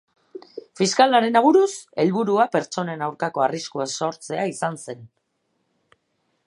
Fiskalaren aburuz, helburua pertsonen aurkako arriskua sortzea izan zen.